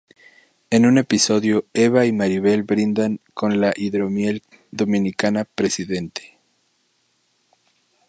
En un episodio Eva y Maribel brindan con la hidromiel dominicana Presidente.